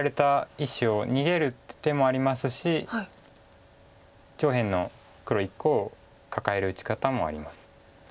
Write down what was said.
１子を逃げる手もありますし上辺の黒１個をカカえる打ち方もあります。